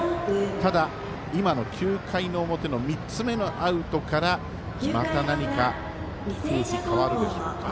ただ、今の９回の表の３つ目のアウトから、また何か空気、変わるか。